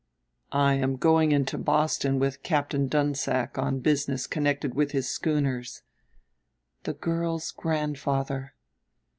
"I am going into Boston with Captain Dunsack on business connected with his schooners." The girl's grandfather!